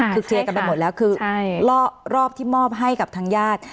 คือเคลียร์กันไปหมดแล้วคือรอบที่มอบให้กับทางญาติ